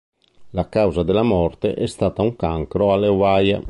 La causa della morte è stata un cancro alle ovaie.